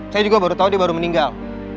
saya juga baru tahu dia baru meninggal